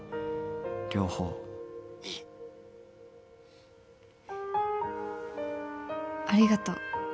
両方いいありがとう☎